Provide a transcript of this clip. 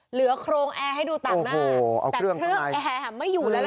เหลือโครงแอร์ให้ดูต่างหน้าแต่เครื่องแอร์ไม่อยู่แล้วล่ะ